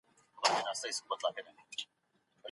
د مغل پاچا په اړه خبره رښتیا نه وه.